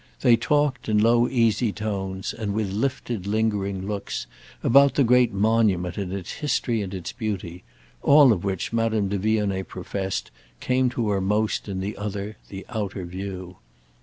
They talked, in low easy tones and with lifted lingering looks, about the great monument and its history and its beauty—all of which, Madame de Vionnet professed, came to her most in the other, the outer view.